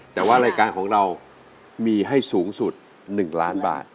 แต่ว่ารายการของเรามีให้สูงสุด๑ล้านบาท